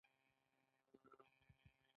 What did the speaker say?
خلکو ته باید یو ډیر مهم ټکی ور زده کړل شي.